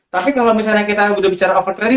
tapi kalau misalnya kita udah bicara over trading